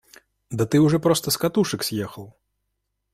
Да ты уже просто с катушек съехал!